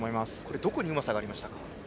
どこにうまさがありましたか。